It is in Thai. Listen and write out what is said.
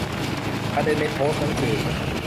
ประเด็นในโพสต์นั้นคือ